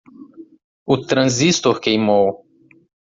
O transistor queimou